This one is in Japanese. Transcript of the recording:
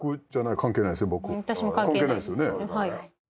関係ないですよね。